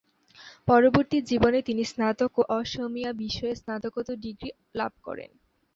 পরবর্তী জীবনে তিনি স্নাতক ও অসমীয়া বিষয়ে স্নাতকোত্তর ডিগ্রী লাভ করেন।